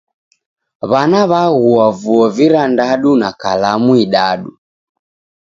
W'ana w'aghua vuo virandadu na kalamu idadu